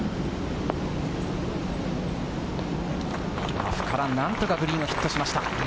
ラフから何とかグリーンにヒットしました。